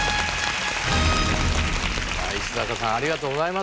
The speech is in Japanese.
石坂さんありがとうございます。